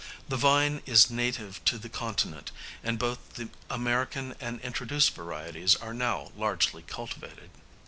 The vine is native to the continent, and both the American and introduced varieties are now largely cultivated.